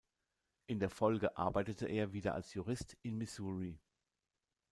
In der Folge arbeitete er wieder als Jurist in Missouri.